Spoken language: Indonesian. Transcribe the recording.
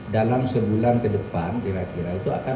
dalam sebulan ke depan kira kira itu akan